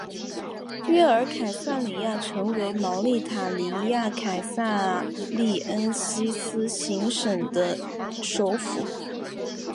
约尔凯撒里亚成为茅利塔尼亚凯撒利恩西斯行省的首府。